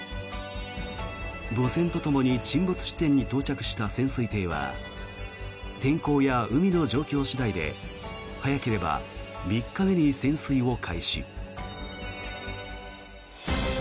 母船とともに沈没地点に到着した潜水艇は天候や海の状況次第で早ければ３日目に潜水を開始。